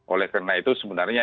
oleh karena itu sebenarnya